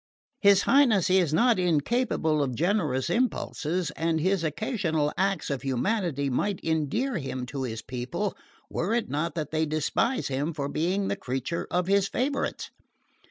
His Highness is not incapable of generous impulses and his occasional acts of humanity might endear him to his people were it not that they despise him for being the creature of his favourites.